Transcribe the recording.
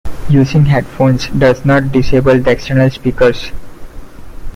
Using headphones does not disable the external speakers.